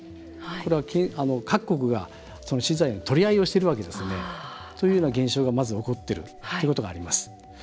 これは各国が資材の取り合いをしているわけですね。というような現象がまず起こっているというのがあります。